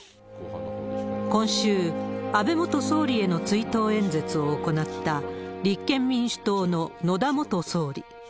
今週、安倍元総理への追悼演説を行った立憲民主党の野田元総理。